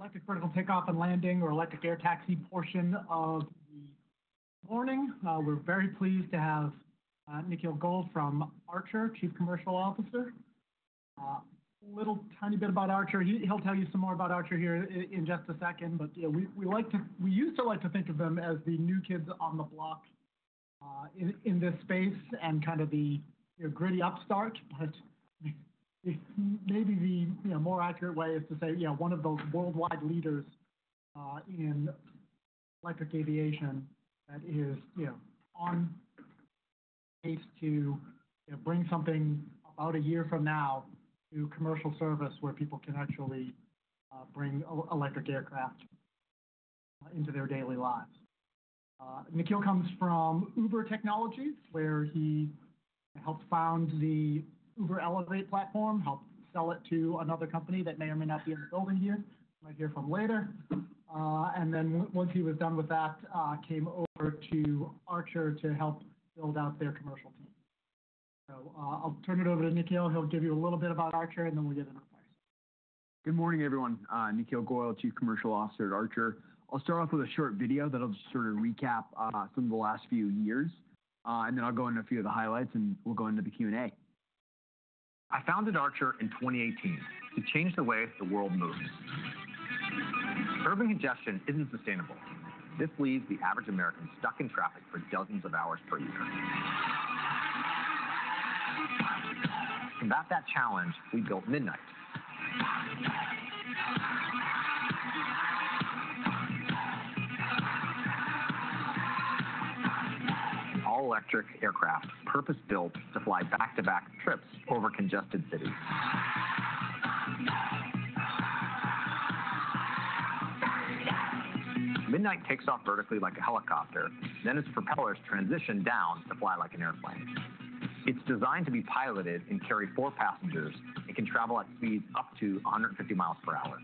Electric vertical takeoff and landing, or electric air taxi portion of the morning. We're very pleased to have Nikhil Goel from Archer, Chief Commercial Officer. A little tiny bit about Archer. He'll tell you some more about Archer here in just a second. But we like to we used to like to think of them as the new kids on the block in this space and kind of the gritty upstart. But maybe the more accurate way is to say, yeah, one of those worldwide leaders in electric aviation that is on pace to bring something about a year from now to commercial service where people can actually bring electric aircraft into their daily lives. Nikhil comes from Uber Technologies, where he helped found the Uber Elevate platform, helped sell it to another company that may or may not be in the building here. You might hear from later. And then once he was done with that, came over to Archer to help build out their commercial team. So I'll turn it over to Nikhil. He'll give you a little bit about Archer, and then we'll get into price. Good morning, everyone. Nikhil Goel, Chief Commercial Officer at Archer. I'll start off with a short video that'll just sort of recap some of the last few years, and then I'll go into a few of the highlights, and we'll go into the Q&A. I founded Archer in 2018 to change the way the world moves. Curbing congestion isn't sustainable. This leaves the average American stuck in traffic for dozens of hours per year. To combat that challenge, we built Midnight. All electric aircraft, purpose-built to fly back-to-back trips over congested cities. Midnight takes off vertically like a helicopter, then its propellers transition down to fly like an airplane. It's designed to be piloted and carry four passengers and can travel at speeds up to 150 miles per hour.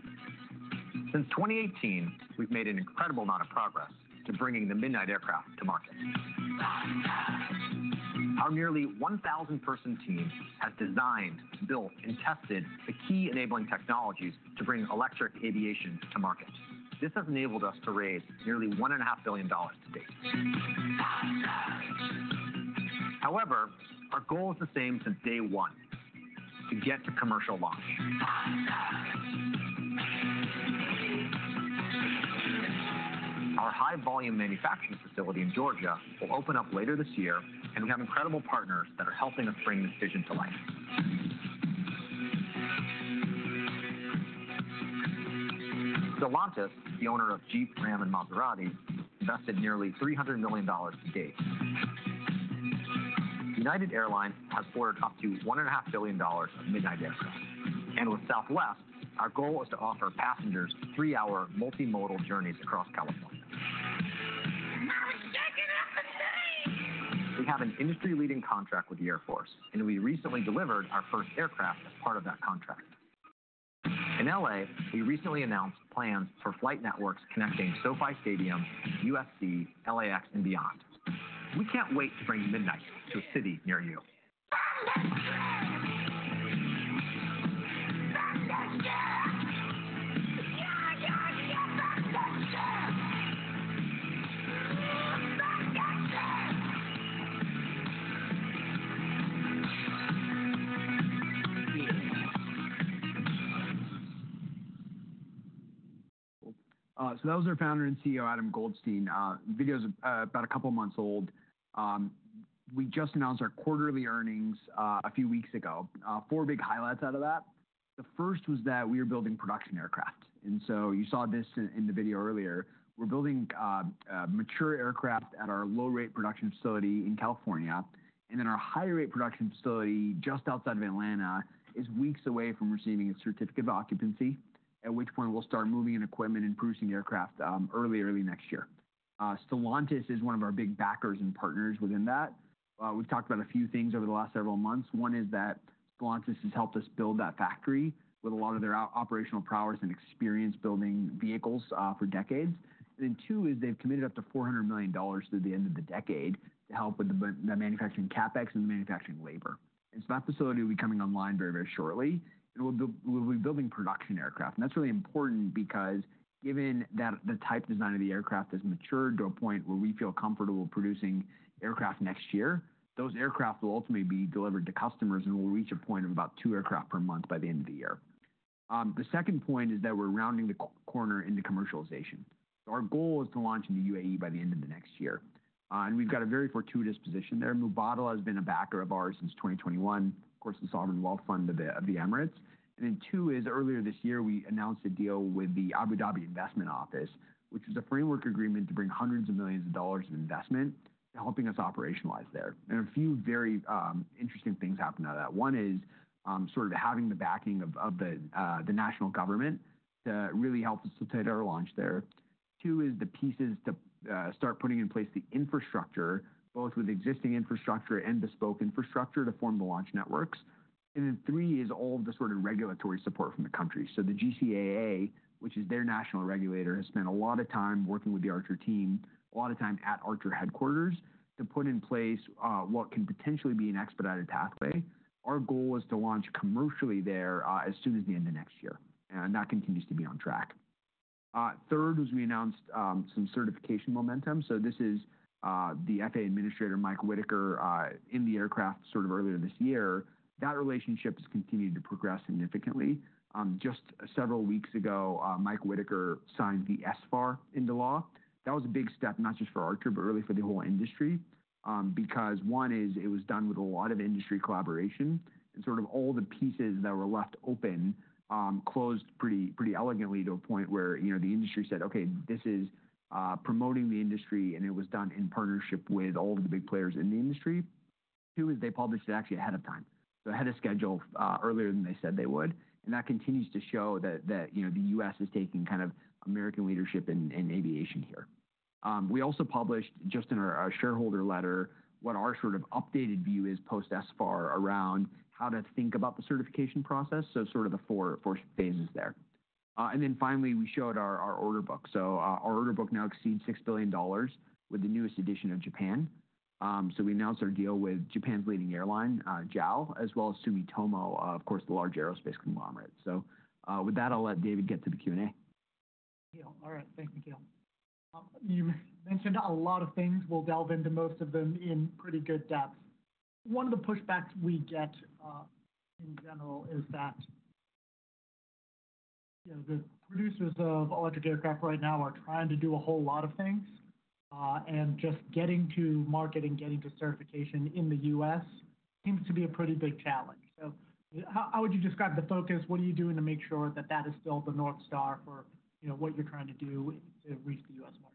Since 2018, we've made an incredible amount of progress to bringing the Midnight aircraft to market. Our nearly 1,000-person team has designed, built, and tested the key enabling technologies to bring electric aviation to market. This has enabled us to raise nearly $1.5 billion to date. However, our goal is the same since day one: to get to commercial launch. Our high-volume manufacturing facility in Georgia will open up later this year, and we have incredible partners that are helping us bring this vision to life. Stellantis, the owner of Jeep, Ram, and Maserati, invested nearly $300 million to date. United Airlines has ordered up to $1.5 billion of Midnight aircraft, and with Southwest, our goal is to offer passengers three-hour multimodal journeys across California. Now he's shaking up the sea. We have an industry-leading contract with the Air Force, and we recently delivered our first aircraft as part of that contract. In L.A., we recently announced plans for flight networks connecting SoFi Stadium, USC, LAX, and beyond. We can't wait to bring Midnight to a city near you. Bend and shift. Bend and shift. Yeah, yeah, yeah, bend and shift. Bend and shift. So that was our founder and CEO, Adam Goldstein. The video's about a couple of months old. We just announced our quarterly earnings a few weeks ago. Four big highlights out of that. The first was that we are building production aircraft. And so you saw this in the video earlier. We're building mature aircraft at our low-rate production facility in California. And then our high-rate production facility just outside of Atlanta is weeks away from receiving a certificate of occupancy, at which point we'll start moving in equipment and producing aircraft early, early next year. Stellantis is one of our big backers and partners within that. We've talked about a few things over the last several months. One is that Stellantis has helped us build that factory with a lot of their operational prowess and experience building vehicles for decades. And then two is they've committed up to $400 million through the end of the decade to help with the manufacturing CapEx and the manufacturing labor. And so that facility will be coming online very, very shortly. And we'll be building production aircraft. And that's really important because given that the type design of the aircraft has matured to a point where we feel comfortable producing aircraft next year, those aircraft will ultimately be delivered to customers and will reach a point of about two aircraft per month by the end of the year. The second point is that we're rounding the corner into commercialization. Our goal is to launch in the UAE by the end of the next year. And we've got a very fortuitous position there. Mubadala has been a backer of ours since 2021, of course, the sovereign wealth fund of the Emirates. And then two is earlier this year, we announced a deal with the Abu Dhabi Investment Office, which is a framework agreement to bring hundreds of millions of dollars in investment, helping us operationalize there. And a few very interesting things happened out of that. One is sort of having the backing of the national government to really help facilitate our launch there. Two is the pieces to start putting in place the infrastructure, both with existing infrastructure and bespoke infrastructure to form the launch networks. And then three is all of the sort of regulatory support from the country. So the GCAA, which is their national regulator, has spent a lot of time working with the Archer team, a lot of time at Archer headquarters to put in place what can potentially be an expedited pathway. Our goal is to launch commercially there as soon as the end of next year, and that continues to be on track. Third was we announced some certification momentum, so this is the FAA Administrator, Mike Whitaker, in the aircraft sort of earlier this year. That relationship has continued to progress significantly. Just several weeks ago, Mike Whitaker signed the SFAR into law. That was a big step, not just for Archer, but really for the whole industry. Because one is it was done with a lot of industry collaboration, and sort of all the pieces that were left open closed pretty elegantly to a point where the industry said, "Okay, this is promoting the industry," and it was done in partnership with all of the big players in the industry. Two is they published it actually ahead of time, so ahead of schedule earlier than they said they would. And that continues to show that the U.S. is taking kind of American leadership in aviation here. We also published just in our shareholder letter what our sort of updated view is post-SFAR around how to think about the certification process, so sort of the four phases there. And then finally, we showed our order book. So our order book now exceeds $6 billion with the newest addition from Japan. So we announced our deal with Japan's leading airline, JAL, as well as Sumitomo, of course, the large aerospace conglomerate. So with that, I'll let David get to the Q&A. Thank you. All right. Thanks Nikhil. You mentioned a lot of things. We'll delve into most of them in pretty good depth. One of the pushbacks we get in general is that the producers of electric aircraft right now are trying to do a whole lot of things, and just getting to market and getting to certification in the U.S. seems to be a pretty big challenge, so how would you describe the focus? What are you doing to make sure that that is still the North Star for what you're trying to do to reach the U.S. market?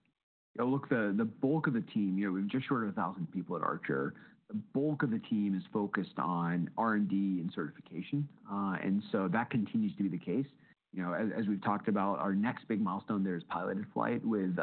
Yeah, look, the bulk of the team here, we have just short of 1,000 people at Archer. The bulk of the team is focused on R&D and certification, and so that continues to be the case. As we've talked about, our next big milestone there is piloted flight with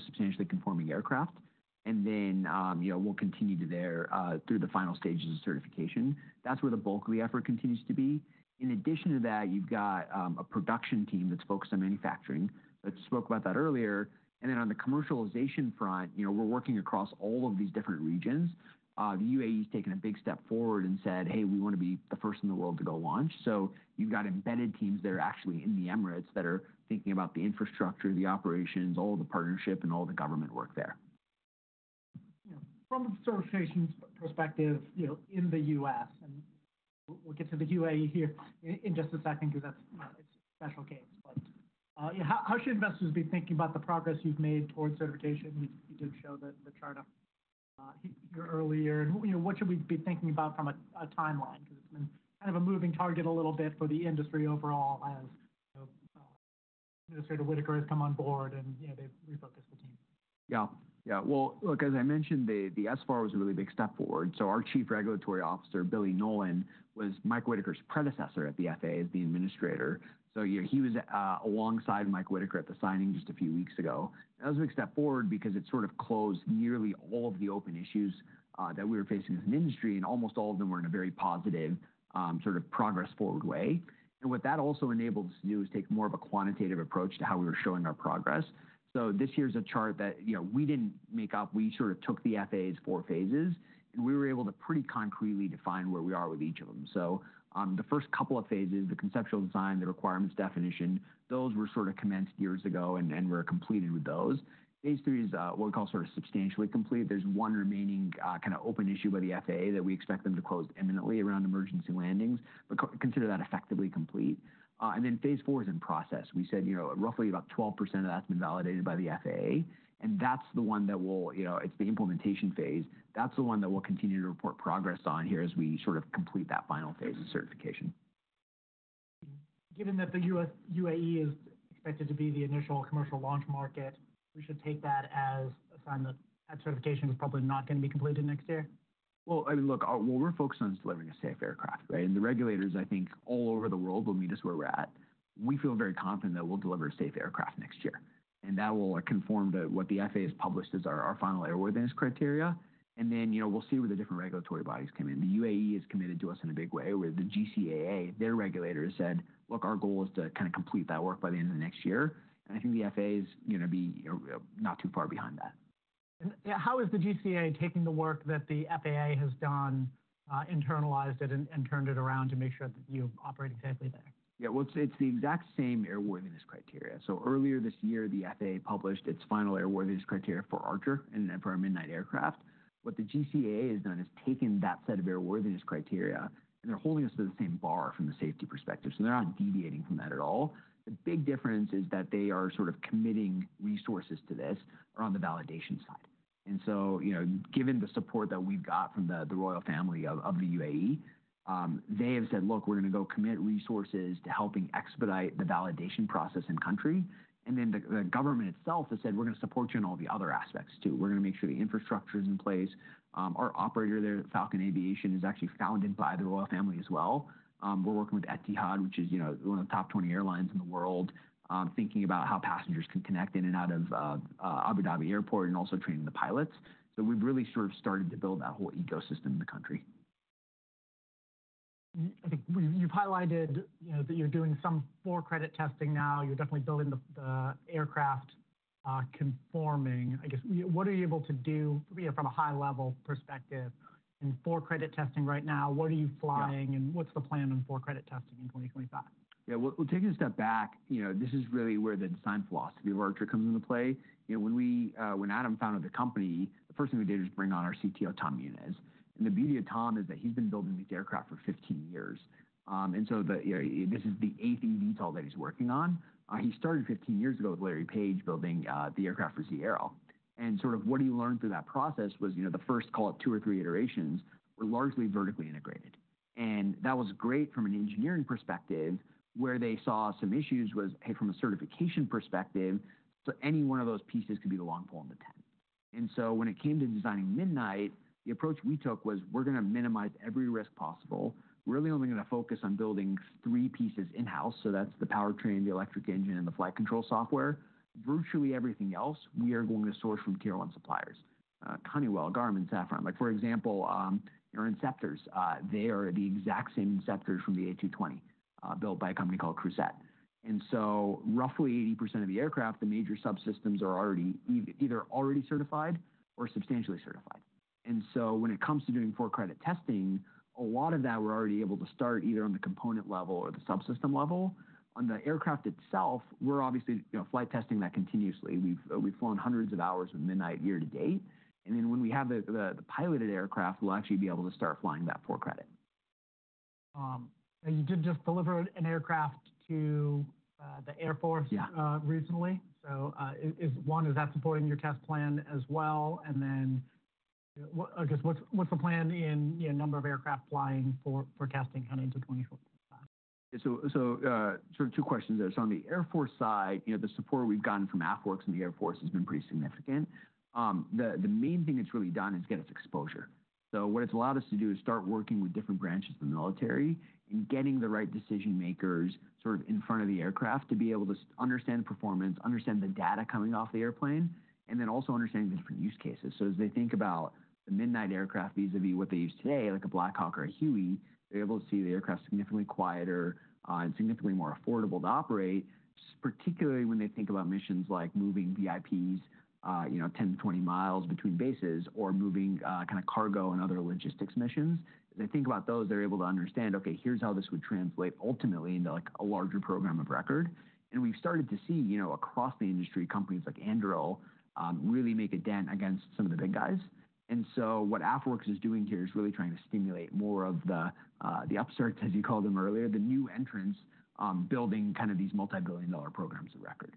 substantially conforming aircraft, and then we'll continue to there through the final stages of certification. That's where the bulk of the effort continues to be. In addition to that, you've got a production team that's focused on manufacturing. I spoke about that earlier, and then on the commercialization front, we're working across all of these different regions. The UAE has taken a big step forward and said, "Hey, we want to be the first in the world to go launch." So you've got embedded teams that are actually in the Emirates that are thinking about the infrastructure, the operations, all of the partnership, and all the government work there. From the certification perspective in the U.S., and we'll get to the UAE here in just a second because that's a special case. But how should investors be thinking about the progress you've made towards certification? You did show the chart up here earlier. And what should we be thinking about from a timeline? Because it's been kind of a moving target a little bit for the industry overall as Administrator Whitaker has come on board and they've refocused the team. Yeah. Yeah. Well, look, as I mentioned, the SFAR was a really big step forward. So our Chief Regulatory Officer, Billy Nolen, was Mike Whitaker's predecessor at the FAA as the administrator. So he was alongside Mike Whitaker at the signing just a few weeks ago. That was a big step forward because it sort of closed nearly all of the open issues that we were facing as an industry. And almost all of them were in a very positive sort of progress-forward way. And what that also enabled us to do is take more of a quantitative approach to how we were showing our progress. So this year's a chart that we didn't make up. We sort of took the FAA's four phases. And we were able to pretty concretely define where we are with each of them. The first couple of phases, the conceptual design, the requirements definition, those were sort of commenced years ago and were completed with those. Phase three is what we call sort of substantially complete. There's one remaining kind of open issue by the FAA that we expect them to close imminently around emergency landings. But consider that effectively complete. Phase four is in process. We said roughly about 12% of that's been validated by the FAA. That's the one that will, it's the implementation phase. That's the one that we'll continue to report progress on here as we sort of complete that final phase of certification. Given that the UAE is expected to be the initial commercial launch market, we should take that as a sign that that certification is probably not going to be completed next year? Well, I mean, look, we're focused on delivering a safe aircraft, right, and the regulators, I think, all over the world will meet us where we're at. We feel very confident that we'll deliver a safe aircraft next year, and that will conform to what the FAA has published as our final Airworthiness Criteria. Then we'll see where the different regulatory bodies come in. The UAE is committed to us in a big way, where the GCAA, their regulator, said, "Look, our goal is to kind of complete that work by the end of next year," and I think the FAA is going to be not too far behind that. How is the GCAA taking the work that the FAA has done, internalized it, and turned it around to make sure that you operate exactly there? Yeah. Well, it's the exact same airworthiness criteria. So earlier this year, the FAA published its final airworthiness criteria for Archer and for our Midnight aircraft. What the GCAA has done is taken that set of airworthiness criteria, and they're holding us to the same bar from the safety perspective. So they're not deviating from that at all. The big difference is that they are sort of committing resources to this around the validation side. And so given the support that we've got from the royal family of the UAE, they have said, "Look, we're going to go commit resources to helping expedite the validation process in country." And then the government itself has said, "We're going to support you in all the other aspects too. We're going to make sure the infrastructure is in place." Our operator there, Falcon Aviation, is actually founded by the royal family as well. We're working with Etihad, which is one of the top 20 airlines in the world, thinking about how passengers can connect in and out of Abu Dhabi Airport and also training the pilots. So we've really sort of started to build that whole ecosystem in the country. I think you've highlighted that you're doing some for-credit testing now. You're definitely building the aircraft conforming. I guess, what are you able to do from a high-level perspective in for-credit testing right now? What are you flying, and what's the plan on for-credit testing in 2025? Yeah. Well, taking a step back, this is really where the design philosophy of Archer comes into play. When Adam founded the company, the first thing we did was bring on our CTO, Tom Muniz. And the beauty of Tom is that he's been building these aircraft for 15 years. And so this is the eighth eVTOL that he's working on. He started 15 years ago with Larry Page building the aircraft for Zee.Aero. And sort of what he learned through that process was the first, call it, two or three iterations were largely vertically integrated. And that was great from an engineering perspective where they saw some issues was, hey, from a certification perspective, so any one of those pieces could be the long pole in the tent. And so when it came to designing Midnight, the approach we took was we're going to minimize every risk possible. We're really only going to focus on building three pieces in-house. So that's the powertrain, the electric engine, and the flight control software. Virtually everything else, we are going to source from tier one suppliers: Honeywell, Garmin, Safran. For example, our inceptors, they are the exact same inceptors from the A220 built by a company called Crouzet. And so roughly 80% of the aircraft, the major subsystems are either already certified or substantially certified. And so when it comes to doing for-credit testing, a lot of that we're already able to start either on the component level or the subsystem level. On the aircraft itself, we're obviously flight testing that continuously. We've flown hundreds of hours with Midnight year to date. And then when we have the piloted aircraft, we'll actually be able to start flying that for-credit. You did just deliver an aircraft to the Air Force recently. So one, is that supporting your test plan as well? And then I guess what's the plan in number of aircraft flying for testing kind of into 2025? So sort of two questions there. So on the Air Force side, the support we've gotten from AFWERX and the Air Force has been pretty significant. The main thing it's really done is get its exposure. So what it's allowed us to do is start working with different branches of the military and getting the right decision-makers sort of in front of the aircraft to be able to understand the performance, understand the data coming off the airplane, and then also understanding the different use cases. So as they think about the Midnight aircraft vis-à-vis what they use today, like a Black Hawk or a Huey, they're able to see the aircraft significantly quieter and significantly more affordable to operate, particularly when they think about missions like moving VIPs 10 to 20 miles between bases or moving kind of cargo and other logistics missions. As they think about those, they're able to understand, "Okay, here's how this would translate ultimately into a larger program of record." And we've started to see across the industry companies like Anduril really make a dent against some of the big guys. And so what AFWERX is doing here is really trying to stimulate more of the upstarts, as you called them earlier, the new entrants building kind of these multi-billion dollar programs of record.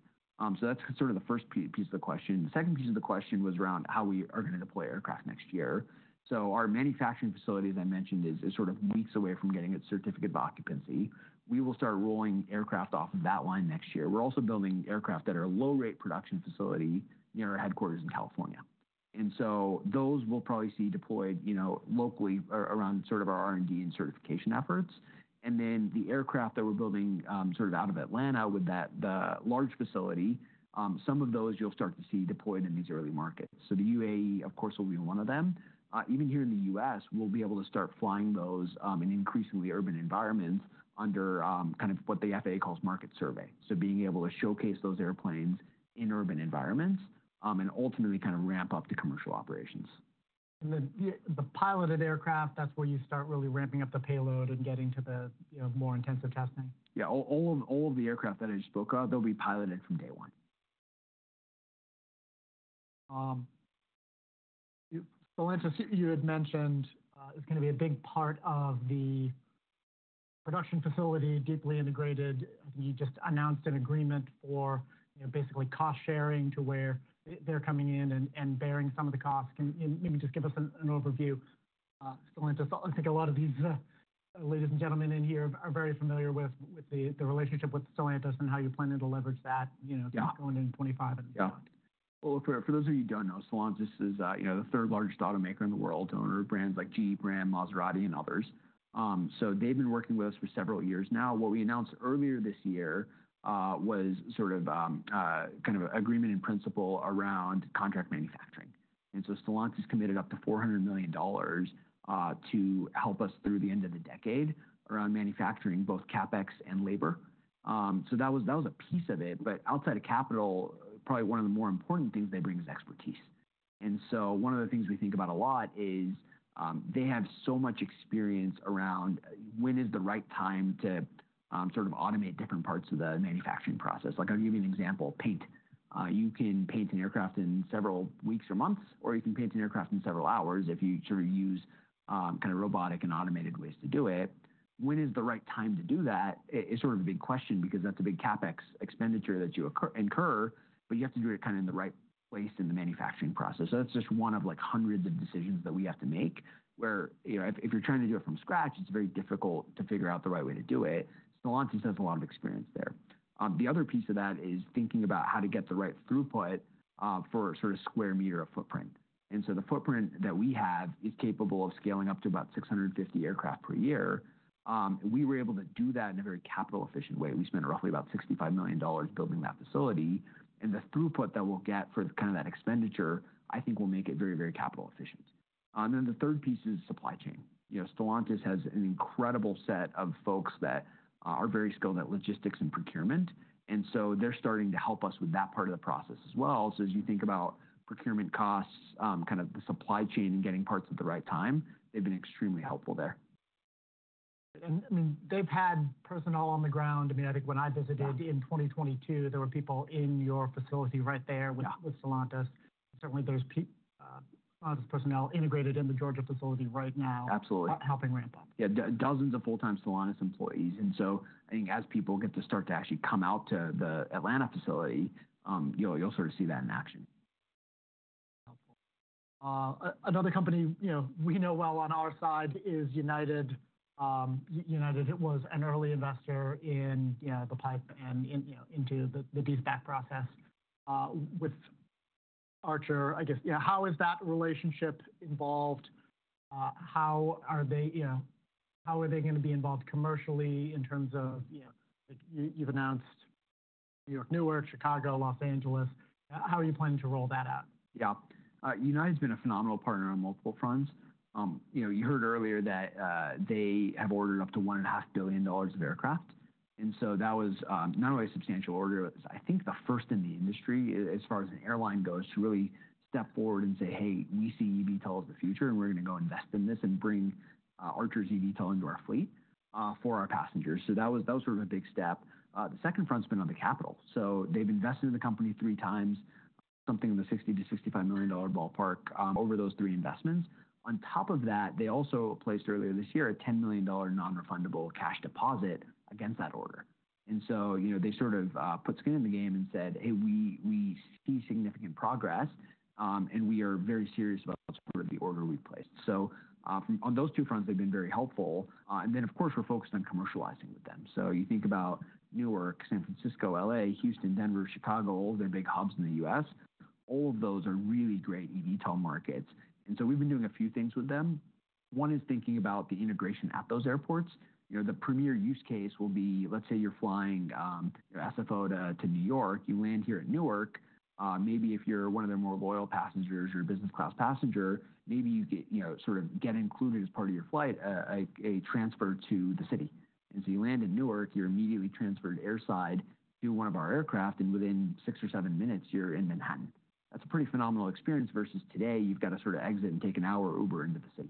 So that's sort of the first piece of the question. The second piece of the question was around how we are going to deploy aircraft next year. So our manufacturing facility, as I mentioned, is sort of weeks away from getting its certificate of occupancy. We will start rolling aircraft off of that line next year. We're also building aircraft at our low-rate production facility near our headquarters in California. And so those we'll probably see deployed locally around sort of our R&D and certification efforts. And then the aircraft that we're building sort of out of Atlanta with the large facility, some of those you'll start to see deployed in these early markets. So the UAE, of course, will be one of them. Even here in the U.S., we'll be able to start flying those in increasingly urban environments under kind of what the FAA calls Market Survey. So being able to showcase those airplanes in urban environments and ultimately kind of ramp up to commercial operations. The piloted aircraft, that's where you start really ramping up the payload and getting to the more intensive testing? Yeah. All of the aircraft that I just spoke of, they'll be piloted from day one. Stellantis, you had mentioned it's going to be a big part of the production facility, deeply integrated. I think you just announced an agreement for basically cost sharing to where they're coming in and bearing some of the costs. Can you maybe just give us an overview? Stellantis, I think a lot of these ladies and gentlemen in here are very familiar with the relationship with Stellantis and how you plan to leverage that going into 2025 and beyond. For those of you who don't know, Stellantis is the third largest automaker in the world, owner of brands like Jeep, Ram, Maserati, and others. So they've been working with us for several years now. What we announced earlier this year was sort of kind of an agreement in principle around contract manufacturing. And so Stellantis committed up to $400 million to help us through the end of the decade around manufacturing both CapEx and labor. So that was a piece of it. But outside of capital, probably one of the more important things they bring is expertise. And so one of the things we think about a lot is they have so much experience around when is the right time to sort of automate different parts of the manufacturing process. Like I'll give you an example, paint. You can paint an aircraft in several weeks or months, or you can paint an aircraft in several hours if you sort of use kind of robotic and automated ways to do it. When is the right time to do that is sort of a big question because that's a big CapEx expenditure that you incur, but you have to do it kind of in the right place in the manufacturing process. So that's just one of hundreds of decisions that we have to make where if you're trying to do it from scratch, it's very difficult to figure out the right way to do it. Stellantis has a lot of experience there. The other piece of that is thinking about how to get the right throughput for sort of square meter of footprint. And so the footprint that we have is capable of scaling up to about 650 aircraft per year. We were able to do that in a very capital-efficient way. We spent roughly about $65 million building that facility. And the throughput that we'll get for kind of that expenditure, I think will make it very, very capital-efficient. And then the third piece is supply chain. Stellantis has an incredible set of folks that are very skilled at logistics and procurement. And so they're starting to help us with that part of the process as well. So as you think about procurement costs, kind of the supply chain and getting parts at the right time, they've been extremely helpful there. I mean, they've had personnel on the ground. I mean, I think when I visited in 2022, there were people in your facility right there with Stellantis. Certainly, there's Stellantis personnel integrated in the Georgia facility right now. Absolutely. Helping ramp up. Yeah. Dozens of full-time Stellantis employees, and so I think as people get to start to actually come out to the Atlanta facility, you'll sort of see that in action. Another company we know well on our side is United. United was an early investor in the PIPE and into the de-SPAC process with Archer. I guess, yeah, how is that relationship involved? How are they going to be involved commercially in terms of you've announced Newark, Chicago, Los Angeles? How are you planning to roll that out? Yeah. United's been a phenomenal partner on multiple fronts. You heard earlier that they have ordered up to $1.5 billion of aircraft, and so that was not only a substantial order, but I think the first in the industry as far as an airline goes to really step forward and say, "Hey, we see eVTOL as the future, and we're going to go invest in this and bring Archer's eVTOL into our fleet for our passengers." So that was sort of a big step. The second front's been on the capital. So they've invested in the company three times, something in the $60-$65 million ballpark over those three investments. On top of that, they also placed earlier this year a $10 million non-refundable cash deposit against that order. And so they sort of put skin in the game and said, "Hey, we see significant progress, and we are very serious about sort of the order we've placed." So on those two fronts, they've been very helpful. And then, of course, we're focused on commercializing with them. So you think about Newark, San Francisco, L.A., Houston, Denver, Chicago, all their big hubs in the U.S. All of those are really great eVTOL markets. And so we've been doing a few things with them. One is thinking about the integration at those airports. The premier use case will be, let's say you're flying SFO to New York, you land here at Newark. Maybe if you're one of their more loyal passengers or business-class passenger, maybe you sort of get included as part of your flight, a transfer to the city. And so you land in Newark, you're immediately transferred airside to one of our aircraft, and within six or seven minutes, you're in Manhattan. That's a pretty phenomenal experience versus today. You've got to sort of exit and take an hour Uber into the city.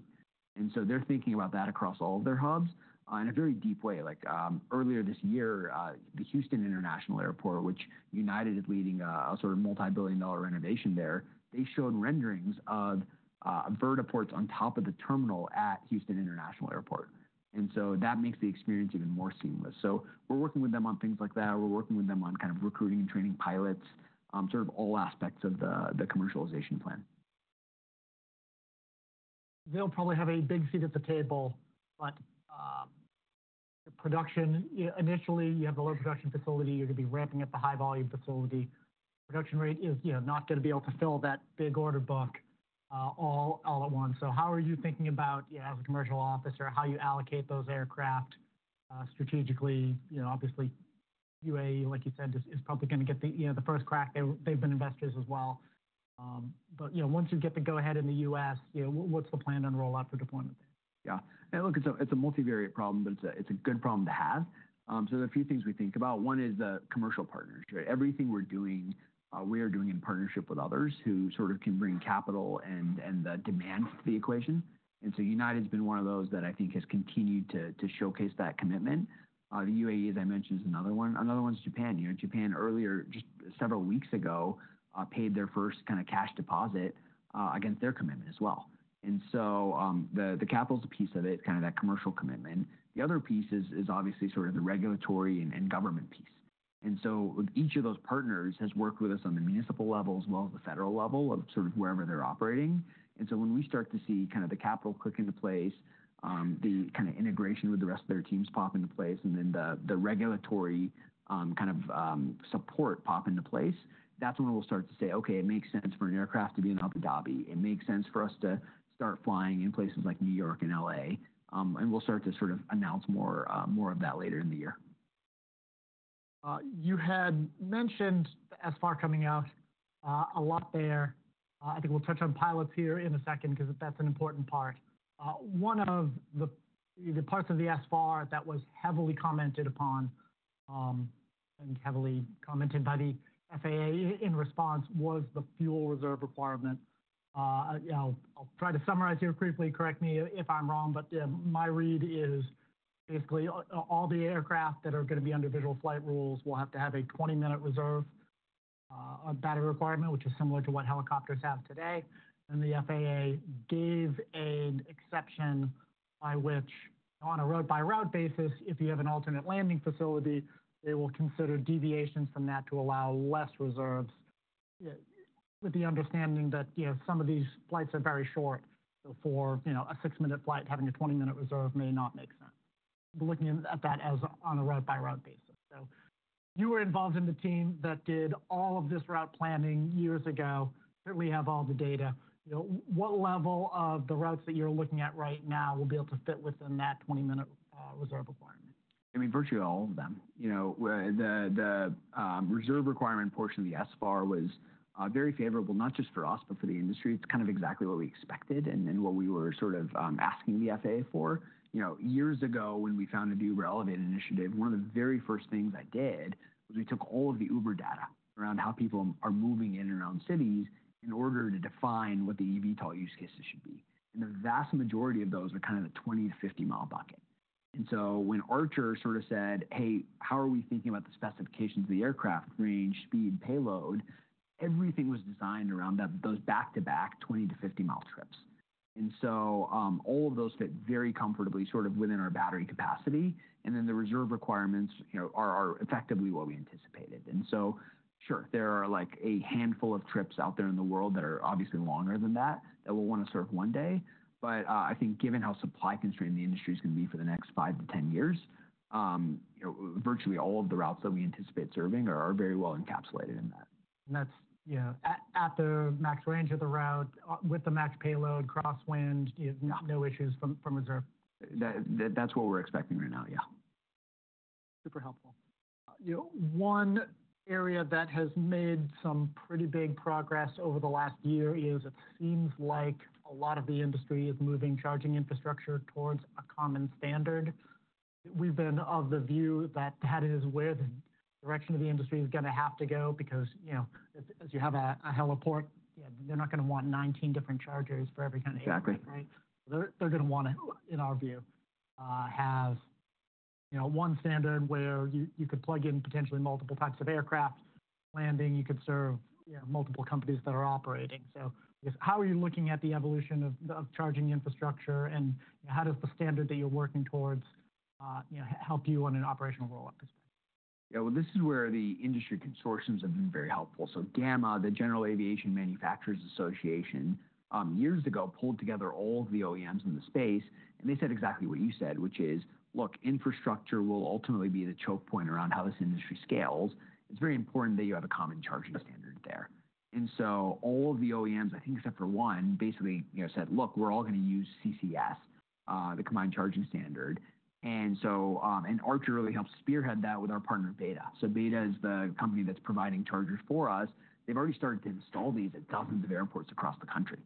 And so they're thinking about that across all of their hubs in a very deep way. Like earlier this year, the Houston International Airport, which United is leading a sort of multi-billion-dollar renovation there, they showed renderings of vertiports on top of the terminal at Houston International Airport. And so that makes the experience even more seamless. So we're working with them on things like that. We're working with them on kind of recruiting and training pilots, sort of all aspects of the commercialization plan. They'll probably have a big seat at the table, but production, initially, you have the low production facility. You're going to be ramping up the high-volume facility. Production rate is not going to be able to fill that big order book all at once. So how are you thinking about, as a commercial officer, how you allocate those aircraft strategically? Obviously, UAE, like you said, is probably going to get the first crack. They've been investors as well. But once you get the go-ahead in the U.S., what's the plan on rollout for deployment there? Yeah. And look, it's a multivariate problem, but it's a good problem to have. So there are a few things we think about. One is the commercial partners, right? Everything we're doing, we are doing in partnership with others who sort of can bring capital and the demand to the equation. And so United's been one of those that I think has continued to showcase that commitment. The UAE, as I mentioned, is another one. Another one's Japan. Japan, earlier, just several weeks ago, paid their first kind of cash deposit against their commitment as well. And so the capital's a piece of it, kind of that commercial commitment. The other piece is obviously sort of the regulatory and government piece. And so each of those partners has worked with us on the municipal level as well as the federal level of sort of wherever they're operating. And so when we start to see kind of the capital click into place, the kind of integration with the rest of their teams pop into place, and then the regulatory kind of support pop into place, that's when we'll start to say, "Okay, it makes sense for an aircraft to be in Abu Dhabi. It makes sense for us to start flying in places like New York and LA." And we'll start to sort of announce more of that later in the year. You had mentioned the SFAR coming out a lot there. I think we'll touch on pilots here in a second because that's an important part. One of the parts of the SFAR that was heavily commented upon and heavily commented by the FAA in response was the fuel reserve requirement. I'll try to summarize here briefly. Correct me if I'm wrong, but my read is basically all the aircraft that are going to be under visual flight rules will have to have a 20-minute reserve battery requirement, which is similar to what helicopters have today. And the FAA gave an exception by which on a route-by-route basis, if you have an alternate landing facility, they will consider deviations from that to allow less reserves with the understanding that some of these flights are very short, so for a six-minute flight, having a 20-minute reserve may not make sense. Looking at that as on a road-by-route basis. So you were involved in the team that did all of this route planning years ago, certainly have all the data. What level of the routes that you're looking at right now will be able to fit within that 20-minute reserve requirement? I mean, virtually all of them. The reserve requirement portion of the SFAR was very favorable, not just for us, but for the industry. It's kind of exactly what we expected and what we were sort of asking the FAA for. Years ago, when we found the Uber Elevate initiative, one of the very first things I did was we took all of the Uber data around how people are moving in and around cities in order to define what the eVTOL use cases should be, and the vast majority of those are kind of the 20mile-50-mile bucket. And so when Archer sort of said, "Hey, how are we thinking about the specifications of the aircraft range, speed, payload?" everything was designed around those back-to-back 20mile-50-mile trips, and so all of those fit very comfortably sort of within our battery capacity. And then the reserve requirements are effectively what we anticipated. And so sure, there are like a handful of trips out there in the world that are obviously longer than that that we'll want to serve one day. But I think given how supply constrained the industry is going to be for the next five to 10 years, virtually all of the routes that we anticipate serving are very well encapsulated in that. That's at the max range of the route with the max payload, crosswind, no issues from reserve. That's what we're expecting right now, yeah. Super helpful. One area that has made some pretty big progress over the last year is it seems like a lot of the industry is moving charging infrastructure towards a common standard. We've been of the view that that is where the direction of the industry is going to have to go because as you have a heliport, they're not going to want 19 different chargers for every kind of aircraft, right? Exactly. They're going to want to, in our view, have one standard where you could plug in potentially multiple types of aircraft landing. You could serve multiple companies that are operating. So I guess how are you looking at the evolution of charging infrastructure and how does the standard that you're working towards help you on an operational rollout perspective? Yeah. Well, this is where the industry consortiums have been very helpful. So GAMA, the General Aviation Manufacturers Association, years ago pulled together all of the OEMs in the space, and they said exactly what you said, which is, "Look, infrastructure will ultimately be the choke point around how this industry scales. It's very important that you have a common charging standard there." And so all of the OEMs, I think except for one, basically said, "Look, we're all going to use CCS, the combined charging standard." And Archer really helps spearhead that with our partner Beta. So Beta is the company that's providing chargers for us. They've already started to install these at dozens of airports across the country.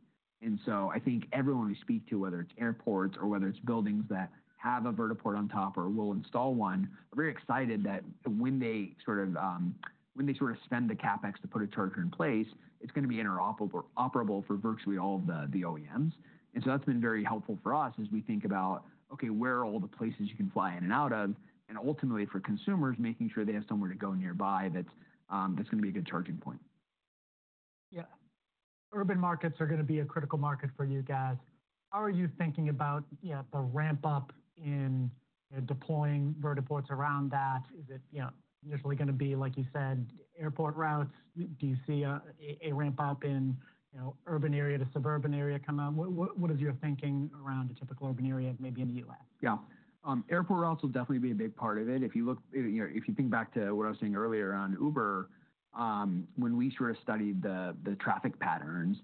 And so I think everyone we speak to, whether it's airports or whether it's buildings that have a vertiport on top or will install one, are very excited that when they sort of spend the CapEx to put a charger in place, it's going to be interoperable for virtually all of the OEMs. And so that's been very helpful for us as we think about, "Okay, where are all the places you can fly in and out of?" And ultimately for consumers, making sure they have somewhere to go nearby that's going to be a good charging point. Yeah. Urban markets are going to be a critical market for you guys. How are you thinking about the ramp-up in deploying vertiports around that? Is it initially going to be, like you said, airport routes? Do you see a ramp-up in urban area to suburban area come out? What is your thinking around a typical urban area, maybe in the US? Yeah. Airport routes will definitely be a big part of it. If you think back to what I was saying earlier on Uber, when we sort of studied the traffic patterns,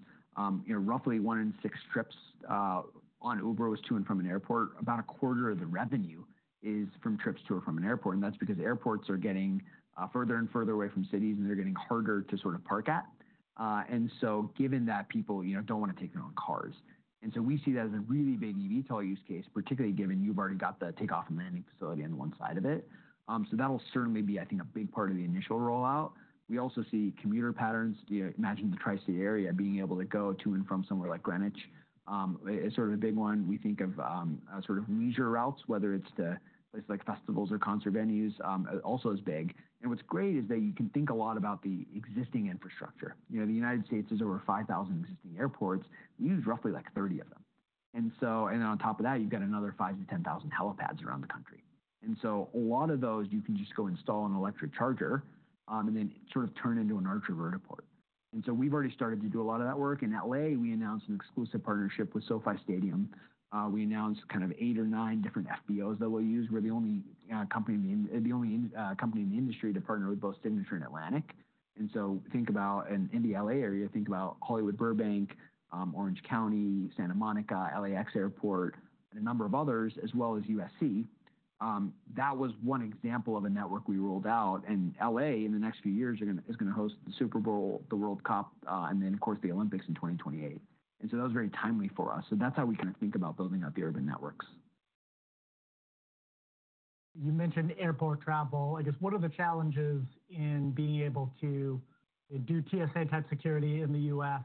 roughly one in six trips on Uber was to and from an airport. About a quarter of the revenue is from trips to or from an airport. And that's because airports are getting further and further away from cities and they're getting harder to sort of park at. And so given that people don't want to take their own cars. And so we see that as a really big eVTOL use case, particularly given you've already got the takeoff and landing facility on one side of it. So that'll certainly be, I think, a big part of the initial rollout. We also see commuter patterns. Imagine the tri-state area being able to go to and from somewhere like Greenwich. It's sort of a big one. We think of sort of leisure routes, whether it's to places like festivals or concert venues, also as big. And what's great is that you can think a lot about the existing infrastructure. The United States has over 5,000 existing airports. We use roughly like 30 of them. And then on top of that, you've got another 5-10,000 helipads around the country. And so a lot of those, you can just go install an electric charger and then sort of turn into an Archer vertiport. And so we've already started to do a lot of that work. In LA, we announced an exclusive partnership with SoFi Stadium. We announced kind of eight or nine different FBOs that we'll use. We're the only company in the industry to partner with both Signature and Atlantic. And so think about, in the L.A. area, think about Hollywood Burbank, Orange County, Santa Monica, LAX Airport, and a number of others, as well as USC. That was one example of a network we rolled out. And L.A. in the next few years is going to host the Super Bowl, the World Cup, and then, of course, the Olympics in 2028. And so that was very timely for us. So that's how we kind of think about building out the urban networks. You mentioned airport travel. I guess what are the challenges in being able to do TSA-type security in the U.S.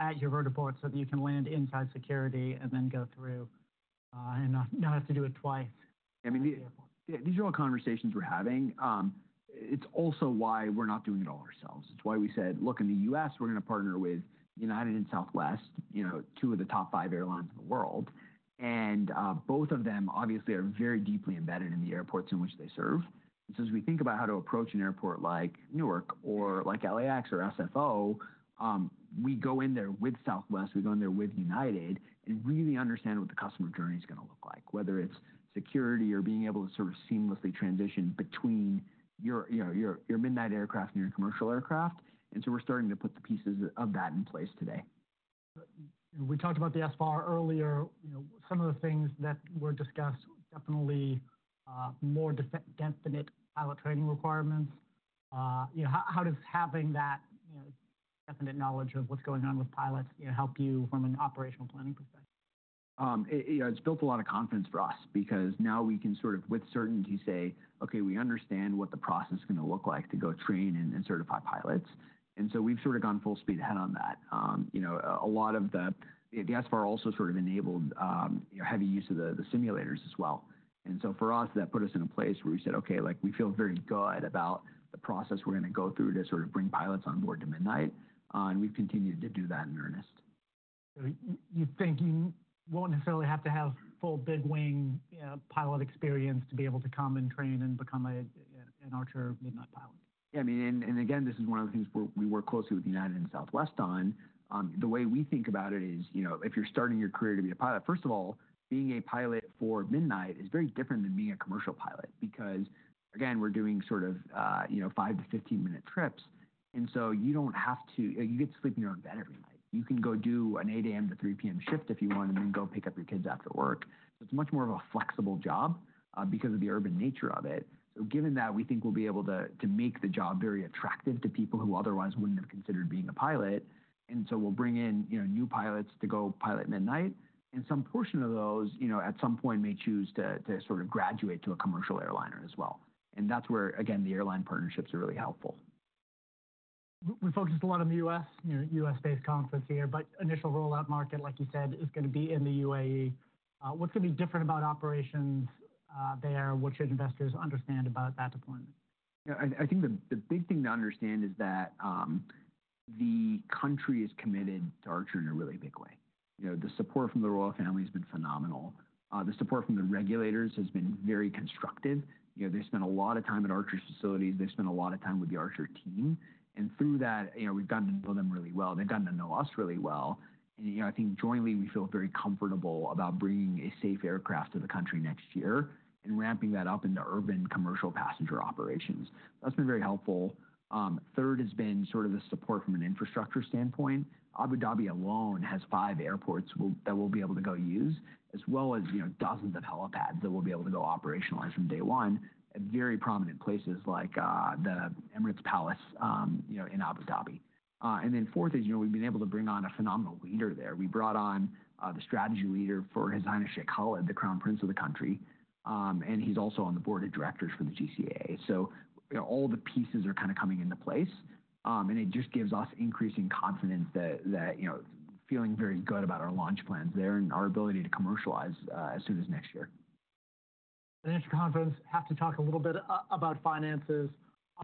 at your vertiport so that you can land inside security and then go through and not have to do it twice at the airport? Yeah. These are all conversations we're having. It's also why we're not doing it all ourselves. It's why we said, "Look, in the U.S., we're going to partner with United and Southwest, two of the top five airlines in the world." And both of them, obviously, are very deeply embedded in the airports in which they serve. And so as we think about how to approach an airport like Newark or like LAX or SFO, we go in there with Southwest, we go in there with United, and really understand what the customer journey is going to look like, whether it's security or being able to sort of seamlessly transition between your Midnight aircraft and your commercial aircraft. And so we're starting to put the pieces of that in place today. We talked about the SFAR earlier. Some of the things that were discussed, definitely more definite pilot training requirements. How does having that definite knowledge of what's going on with pilots help you from an operational planning perspective? It's built a lot of confidence for us because now we can sort of with certainty say, "Okay, we understand what the process is going to look like to go train and certify pilots," and so we've sort of gone full speed ahead on that. A lot of the SFAR also sort of enabled heavy use of the simulators as well, and so for us, that put us in a place where we said, "Okay, we feel very good about the process we're going to go through to sort of bring pilots on board to Midnight," and we've continued to do that in earnest. You think you won't necessarily have to have full big wing pilot experience to be able to come and train and become an Archer Midnight pilot? Yeah. I mean, and again, this is one of the things we work closely with United and Southwest on. The way we think about it is if you're starting your career to be a pilot, first of all, being a pilot for Midnight is very different than being a commercial pilot because, again, we're doing sort of five to 15-minute trips. And so you don't have to, you get to sleep in your own bed every night. You can go do an 8:00 AM to 3:00 PM shift if you want and then go pick up your kids after work. So it's much more of a flexible job because of the urban nature of it. So given that, we think we'll be able to make the job very attractive to people who otherwise wouldn't have considered being a pilot. And so we'll bring in new pilots to go pilot Midnight. And some portion of those, at some point, may choose to sort of graduate to a commercial airliner as well. And that's where, again, the airline partnerships are really helpful. We focused a lot on the U.S., U.S.-based conference here, but initial rollout market, like you said, is going to be in the UAE. What's going to be different about operations there? What should investors understand about that deployment? I think the big thing to understand is that the country is committed to Archer in a really big way. The support from the Royal Family has been phenomenal. The support from the regulators has been very constructive. They spent a lot of time at Archer's facilities. They spent a lot of time with the Archer team, and through that, we've gotten to know them really well. They've gotten to know us really well, and I think jointly, we feel very comfortable about bringing a safe aircraft to the country next year and ramping that up into urban commercial passenger operations. That's been very helpful. Third has been sort of the support from an infrastructure standpoint. Abu Dhabi alone has five airports that we'll be able to go use, as well as dozens of helipads that we'll be able to go operationalize from day one at very prominent places like the Emirates Palace in Abu Dhabi. And then fourth is we've been able to bring on a phenomenal leader there. We brought on the strategy leader for His Highness Sheikh Khaled, the Crown Prince of the country. And he's also on the board of directors for the GCAA. So all the pieces are kind of coming into place. And it just gives us increasing confidence that feeling very good about our launch plans there and our ability to commercialize as soon as next year. Financial confidence. Have to talk a little bit about finances.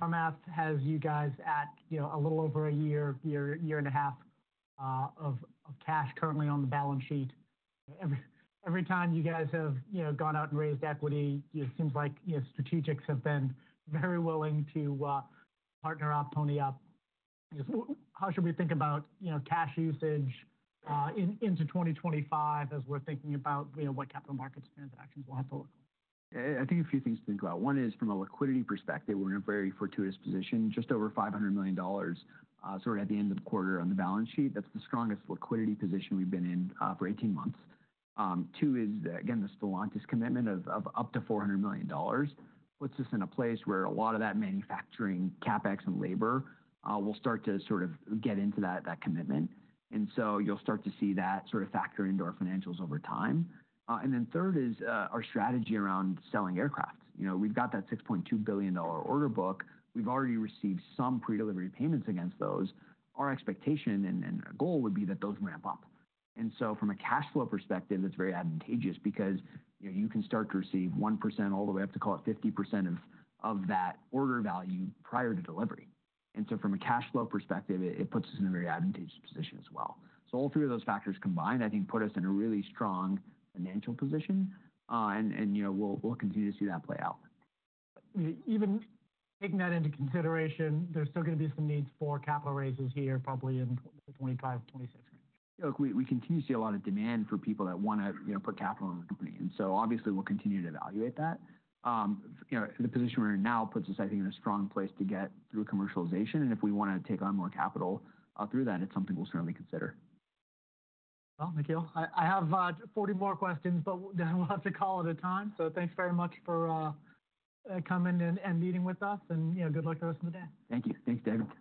Our omath has you guys at a little over a year, year and a half of cash currently on the balance sheet. Every time you guys have gone out and raised equity, it seems like strategics have been very willing to partner up, pony up. How should we think about cash usage into 2025 as we're thinking about what capital markets transactions will have to look like? I think a few things to think about. One is from a liquidity perspective, we're in a very fortuitous position, just over $500 million sort of at the end of the quarter on the balance sheet. That's the strongest liquidity position we've been in for 18 months. Two is, again, the Stellantis commitment of up to $400 million, puts us in a place where a lot of that manufacturing CapEx and labor will start to sort of get into that commitment. And so you'll start to see that sort of factor into our financials over time. And then third is our strategy around selling aircraft. We've got that $6.2 billion order book. We've already received some pre-delivery payments against those. Our expectation and our goal would be that those ramp up. And so from a cash flow perspective, it's very advantageous because you can start to receive 1% all the way up to, call it, 50% of that order value prior to delivery. And so from a cash flow perspective, it puts us in a very advantageous position as well. So all three of those factors combined, I think, put us in a really strong financial position. And we'll continue to see that play out. Even taking that into consideration, there's still going to be some needs for capital raises here, probably in the 2025, 2026 range. Yeah. Look, we continue to see a lot of demand for people that want to put capital in the company. And so obviously, we'll continue to evaluate that. The position we're in now puts us, I think, in a strong place to get through commercialization. And if we want to take on more capital through that, it's something we'll certainly consider. Nikhil, I have 40 more questions, but then we'll have to call it a time. Thanks very much for coming and meeting with us. Good luck the rest of the day. Thank you. Thanks, David.